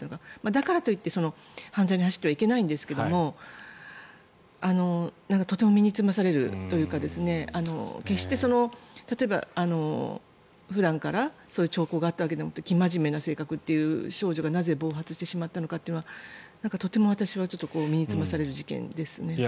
だからといって犯罪に走ってはいけないんですがとても身につまされるというか決して例えば、普段からそういう兆候があったわけではなく生真面目な性格という少女がなぜ暴発してしまったのかというのはとても私は身につまされる事件ですね。